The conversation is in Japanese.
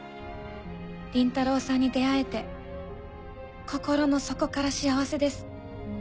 倫太郎さんに出会えて心の底から幸せです。